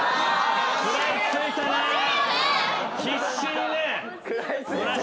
必死にね。